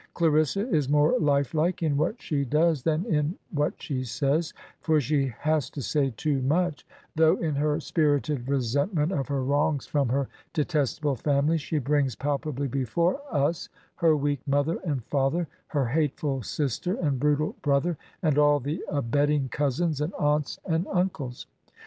Clarissa is more lifelike in what she does than in what she says, for she has to say too much, though in her spirited resentment of her wrongs from her detestable family, she brings palpably before us her weak mother and father, her hateful sister and brutal brother, and all the abetting cousins and aunts and uncles.